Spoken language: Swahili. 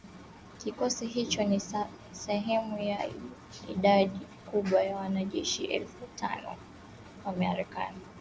Kikosi hicho ni sehemu ya idadi kubwa ya wanajeshi elfu tano wa Marekani